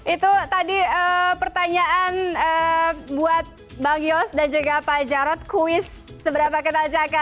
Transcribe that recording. itu tadi pertanyaan buat bang yos dan juga pak jarod kuis seberapa kenal jaka